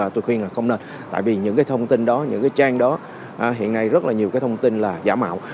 tôi khuyên là không nên tại vì những cái thông tin đó những cái trang đó hiện nay rất là nhiều cái thông tin là giả mạo